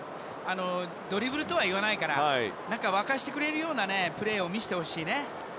ドリブルとはいわないから沸かせてくれるようなプレーを見せてほしいね。